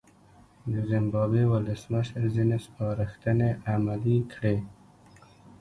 د زیمبابوې ولسمشر ځینې سپارښتنې عملي کړې.